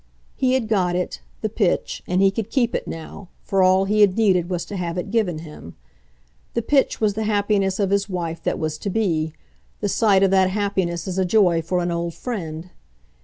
He had got it, the pitch, and he could keep it now, for all he had needed was to have it given him. The pitch was the happiness of his wife that was to be the sight of that happiness as a joy for an old friend.